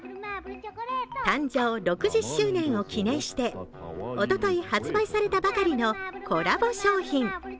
誕生６０周年を記念しておととい、発売されたばかりのコラボ商品。